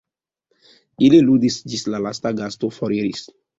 Ili ludis, ĝis la lasta gasto foriris.